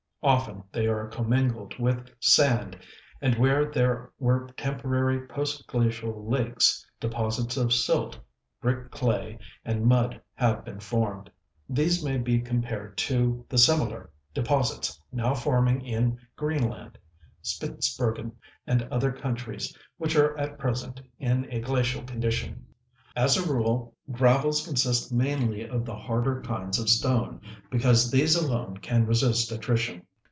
Often they are commingled with sand, and where there were temporary post glacial lakes deposits of silt, brick clay and mud have been formed. These may be compared to the similar deposits now forming in Greenland, Spitzbergen and other countries which are at present in a glacial condition. As a rule gravels consist mainly of the harder kinds of stone because these alone can resist attrition.